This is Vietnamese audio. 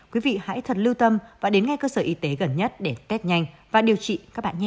quý vị hãy thật lưu tâm và đến ngay cơ sở y tế gần nhất để test nhanh và điều trị các bạn nhanh